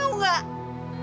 ya gitu gitu